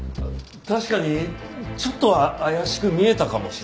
確かにちょっとは怪しく見えたかもしれない。